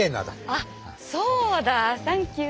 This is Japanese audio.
あそうだ！サンキュー。